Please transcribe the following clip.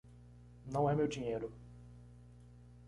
Não é meu dinheiro!